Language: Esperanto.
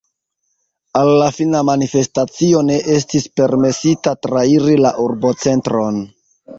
Al la fina manifestacio ne estis permesita trairi la urbocentron.